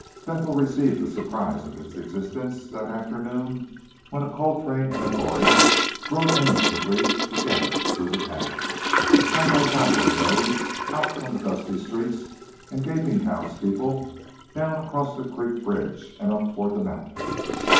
Bethel received the surprise of its existence that afternoon when a Coltrane and a Goree rode amicably together through the town. Side by side they rode, out from the dusty streets and gaping townspeople, down across the creek bridge, and up toward the mountain.